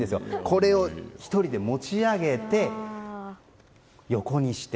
これを１人で持ち上げて横にして。